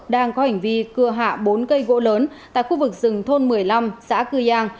đang có hành vi cưa hạ bốn cây gỗ lớn tại khu vực rừng thôn một mươi năm xã cư giang